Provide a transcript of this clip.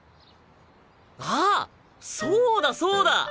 あっそうだそうだ。